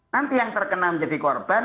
nanti yang terkena menjadi korban